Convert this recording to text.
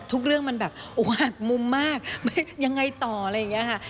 เรื่องมันแบบมุมมากยังไงต่ออะไรอย่างนี้ค่ะ